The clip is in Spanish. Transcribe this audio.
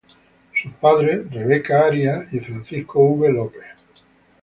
Sus padres Francisco V. López y Rebeca Arias.